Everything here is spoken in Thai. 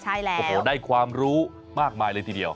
ใช่แล้วโอ้โหได้ความรู้มากมายเลยทีเดียว